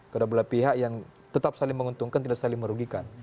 kedua belah pihak yang tetap saling menguntungkan tidak saling merugikan